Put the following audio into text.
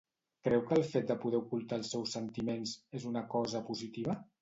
Creu que el fet de poder ocultar els seus sentiments és una cosa positiva?